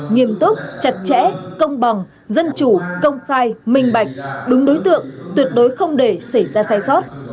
nghiêm túc chặt chẽ công bằng dân chủ công khai minh bạch đúng đối tượng tuyệt đối không để xảy ra sai sót